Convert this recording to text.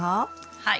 はい。